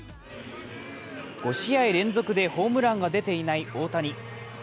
５試合連続でホームランが出ていない大谷。